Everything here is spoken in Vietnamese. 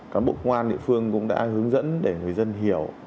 cán bộ công an địa phương cũng đã hướng dẫn để người dân hiểu